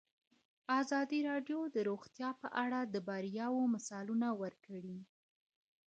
ازادي راډیو د روغتیا په اړه د بریاوو مثالونه ورکړي.